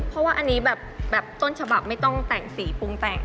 เพราะว่าอันนี้แบบต้นฉบับไม่ต้องแต่งสีปรุงแต่ง